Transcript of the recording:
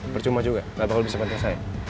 bercuma juga gak bakal bisa banting saya